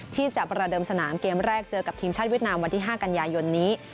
ที่จะประเดิมสนามเกมแรกเจอกับทีมชาติเวียดนามวันที่๕กันยายนนี้